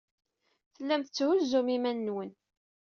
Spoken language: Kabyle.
Tellam tetthuzzum iman-nwen.